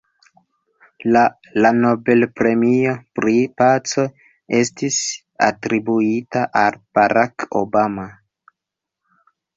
La la Nobel-premio pri paco estis atribuita al Barack Obama.